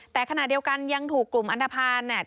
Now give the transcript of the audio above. แต่ขณะเดียวกันยังถูกกลุ่มอันทภาณ